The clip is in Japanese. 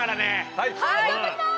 はい頑張ります！